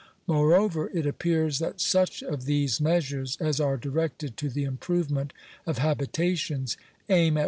Moreover,, it appeals that such of these measures as are directed to the improvement of habi tations, aim at.